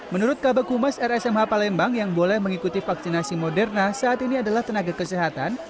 menurut kabakumas rsmh palembang yang boleh mengikuti vaksinasi moderna saat ini adalah tenaga kesehatan